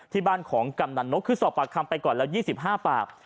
ที่บ้านของกำนันนกคือสอบปากคำไปก่อนแล้ว๒๕ปาก